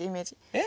えっ？